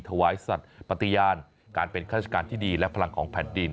ถวายสัตว์ปฏิญาณการเป็นข้าราชการที่ดีและพลังของแผ่นดิน